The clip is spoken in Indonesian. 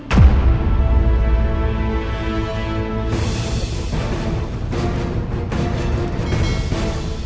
pakai kamu diam aja